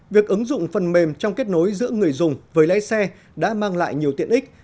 việc ứng dụng phần mềm trong kết nối giữa người dùng với lái xe đã mang lại nhiều tiện ích